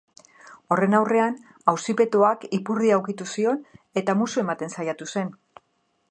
Horren aurrean, auzipetuak ipurdia ukitu zion eta musu ematen saiatu zen.